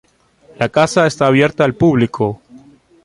La casa está abierta al público.